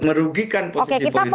merugikan posisi politik saya